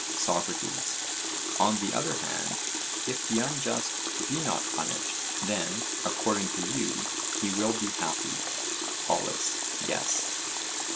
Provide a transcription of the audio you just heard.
SOCRATES: On the other hand, if the unjust be not punished, then, according to you, he will be happy? POLUS: Yes.